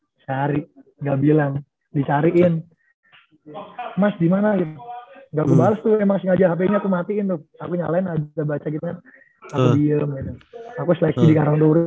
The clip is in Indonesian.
dicari gak bilang dicariin mas gimana gitu gak kebales tuh emang ngajak hp nya aku matiin tuh aku nyalain aja baca gitu kan aku diem gitu aku seleksi di karangturi